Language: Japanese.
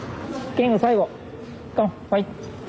はい。